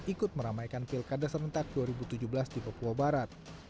ikut meramaikan pilkada serentak dua ribu tujuh belas di papua barat